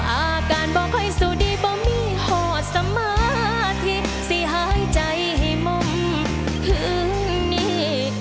อาการบ่ค่อยสู้ดีบ่มีห่อสมาธิสิหายใจให้มคืนนี้